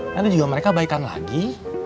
kan itu juga mereka baikan lagi